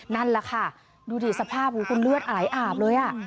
นั่นแหละค่ะดูดิสภาพคุณเลือดอายอาบเลย